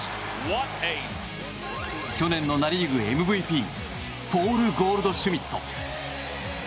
去年のナ・リーグＭＶＰポール・ゴールドシュミット。